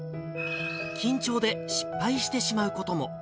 緊張で失敗してしまうことも。